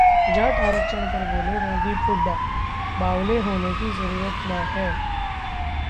जाट आरक्षण पर बोले रणदीप हुड्डा, 'बावले होन की जरूरत ना है'